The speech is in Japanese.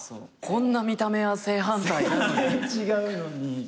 こんな見た目は正反対なのに。